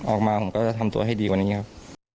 ออกมาผมก็จะทำตัวให้ดีกว่านี้ครับ